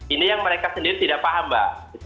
ini yang mereka sendiri tidak paham mbak